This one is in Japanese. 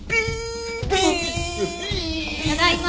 ただいま。